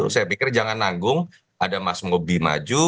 saya pikir jangan nanggung ada mas ngoby maju